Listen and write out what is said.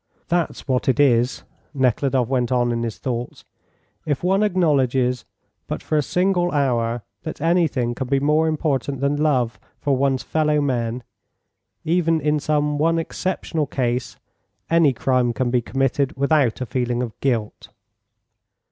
That's what it is," Nekhludoff went on in his thoughts. "If one acknowledges but for a single hour that anything can be more important than love for one's fellowmen, even in some one exceptional case, any crime can be committed without a feeling of guilt."